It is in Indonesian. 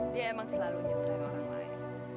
dia emang selalu nyesel sama orang lain